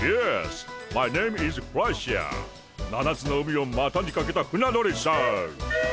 七つの海をまたにかけた船乗りさ。